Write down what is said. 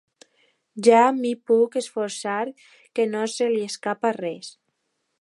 Ja m'hi puc esforçar, que no se li escapa res.